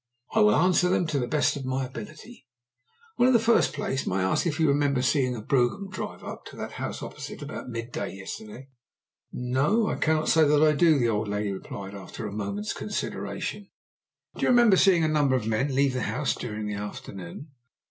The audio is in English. "I will answer them to the best of my ability." "Well, in the first place, may I ask if you remember seeing a brougham drive up to that house opposite about mid day yesterday?" "No, I cannot say that I do," the old lady replied after a moment's consideration. "Do you remember seeing a number of men leave the house during the afternoon?"